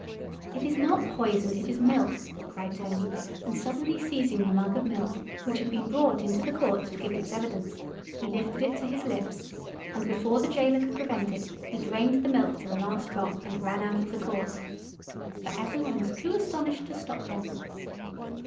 "It is not poison, it is milk!" cried Tony, and suddenly seizing the mug of milk, which had been brought into the Court to give its evidence, he lifted it to his lips, and before the Jailer could prevent it, he drained the milk to the last drop and ran out of the Court. For every one was too astonished to stop him.